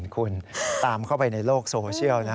คุณตามเข้าไปในโลกโซเชียลนะ